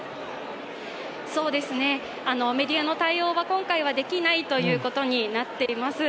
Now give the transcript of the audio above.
メディアの対応は今回はできないということになっています。